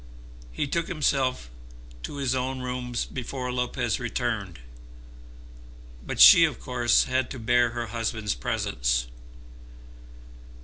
He took himself to his own rooms before Lopez returned, but she of course had to bear her husband's presence.